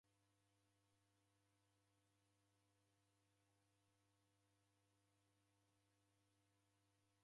W'uki ghusingie ndoghuranganyiro na skari.